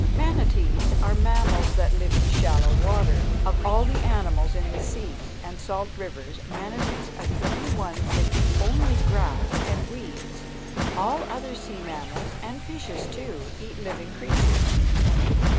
Manatees are mammals that live in shallow water. Of all the animals in the sea and salt rivers manatees are the only ones that eat only grass and weeds. All other sea mammals, and fishes, too, eat living creatures.